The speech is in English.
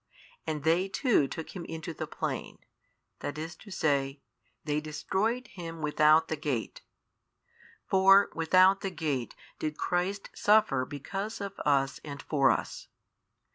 And they too took Him into the plain, i. e., they destroyed Him without the gate. For without the gate did Christ suffer because of us and for us.